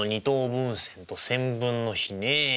分線と線分の比ねえ。